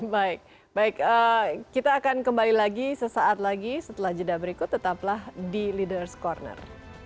baik kita akan kembali lagi sesaat lagi setelah jeda berikut tetaplah di leaders' corner